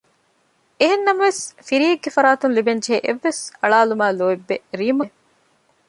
އެހެން ނަމަވެސް ފިރިއެއްގެ ފަރާތުން ލިބެންޖެހޭ އެއްވެސް އަޅާލުމާއި ލޯތްބެއް ރީމްއަކަށް ނުލިބޭ